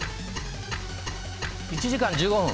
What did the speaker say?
１時間１５分。